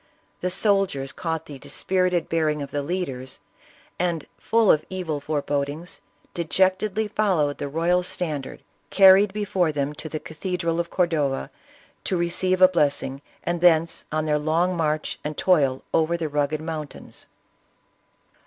The soldiers caught the dispirited bearing of the leaders, and, full of evil fore bodings, dejectedly followed the royal standard, carried ISABELLA OF CASTILE. 87 \>efore them to the cathedral of Cordova to receive a blessing, and thence on their long march and toil over the rugged mountains.